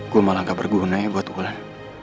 gue malah gak berguna ya buat wulan